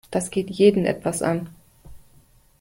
Das geht jeden etwas an.